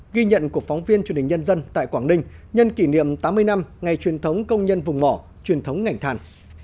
ghi nhận của phóng viên truyền hình nhân dân tại quảng ninh nhân kỷ niệm tám mươi năm ngày truyền thống công nhân vùng mỏ truyền thống ngành than